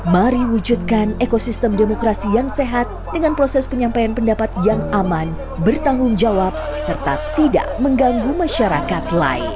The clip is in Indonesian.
mari wujudkan ekosistem demokrasi yang sehat dengan proses penyampaian pendapat yang aman bertanggung jawab serta tidak mengganggu masyarakat lain